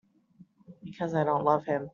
Because I don't love him.